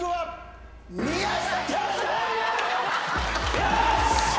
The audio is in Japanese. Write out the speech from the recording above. よし！